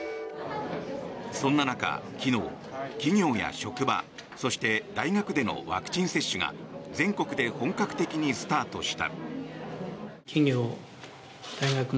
そんな中、昨日企業や職場、そして大学でのワクチン接種が全国で本格的にスタートした。